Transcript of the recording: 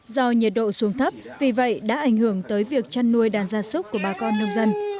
do nhiệt độ xuống thấp vì vậy đã ảnh hưởng tới việc chăn nuôi đàn gia súc của bà con nông dân